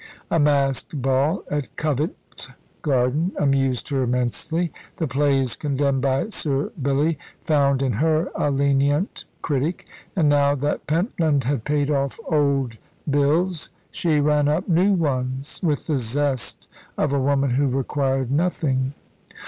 A masked ball at Covent Garden amused her immensely; the plays condemned by Sir Billy found in her a lenient critic; and now that Pentland had paid off old bills, she ran up new ones with the zest of a woman who required nothing.